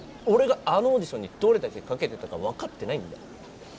俺があのオーディションにどれだけ懸けてたか分かってないんだよ。